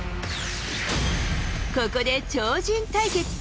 ここで超人対決。